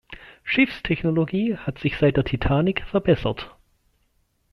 Schiffstechnologie hat sich seit der Titanic verbessert.